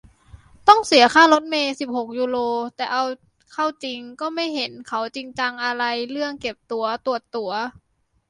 ต้องเสียค่ารถเมล์ สิบหก ยูโร แต่เอาเข้าจริงก็ไม่เห็นเขาจริงจังอะไรเรื่องเก็บตั๋ว ตรวจตั๋ว